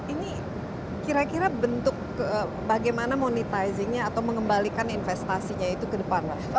ini kira kira bentuk bagaimana monetizingnya atau mengembalikan investasinya itu kedepannya